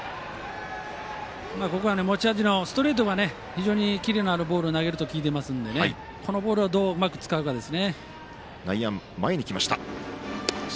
ここは持ち味のストレートが非常にキレのあるボールを投げると聞いてますのでこのボールをどう、うまく使うかですね。